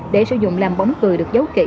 để sử dụng làm bóng cười được giấu kỹ